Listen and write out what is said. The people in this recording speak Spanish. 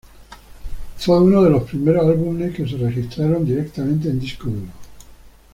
Fue uno de los primeros álbumes que se registraron directamente en disco duro.